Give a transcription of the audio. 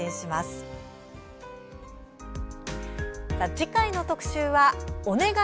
次回の特集は「おねがい！